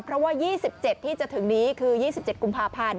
เพราะว่า๒๗ที่จะถึงนี้คือ๒๗กุมภาพันธ์